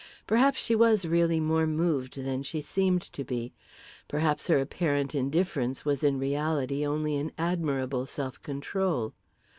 Perhaps she was really more moved than she seemed to be; perhaps her apparent indifference was in reality only an admirable self control.